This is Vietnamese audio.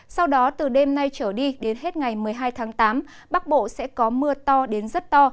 sau đó từ đêm nay trở đi đến hết ngày một mươi hai tháng tám bắc bộ sẽ có mưa to đến rất to